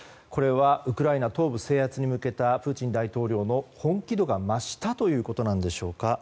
これはウクライナ東部制圧に向けたプーチン大統領の本気度が増したということなんでしょうか。